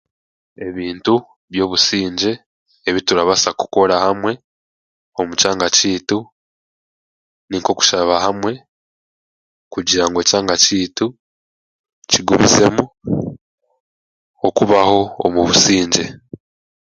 Ebintu by'obusingye ebiturabaasa kukora hamwe omu kyanga kyaitu ni nk'okushaba hamwe kugira ngu ekyanga kyaitu kigumizemu okubaho omu busingye.